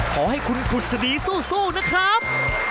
ขอให้คุณขุดสดีสู้นะครับ